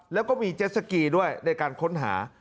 แล้วก็มีเจ็ดสกีด้วยในการค้นหา